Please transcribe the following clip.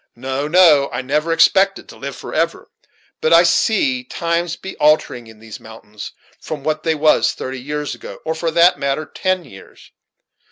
No, no, I never expected to live forever; but I see, times be altering in these mountains from what they was thirty years ago, or, for that matter, ten years.